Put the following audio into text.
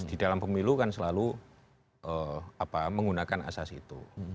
di dalam pemilu kan selalu menggunakan asas itu